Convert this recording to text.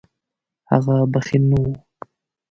هغه بخیل نه و.